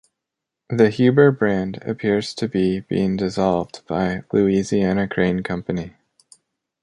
The Huber brand appears to be being dissolved by Louisiana Crane Company.